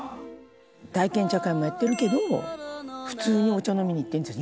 「体験茶会もやってるけど普通にお茶飲みに行っていいんですよ